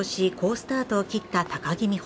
スタートを切った高木美帆。